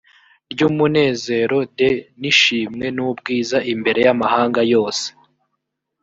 ry umunezero d n ishimwe n ubwiza imbere y amahanga yose